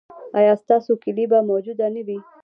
ایا ستاسو کیلي به موجوده نه وي؟